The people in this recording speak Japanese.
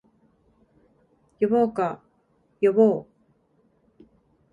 呼ぼうか、呼ぼう